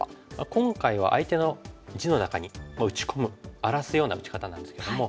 今回は相手の地の中に打ち込む荒らすような打ち方なんですけども。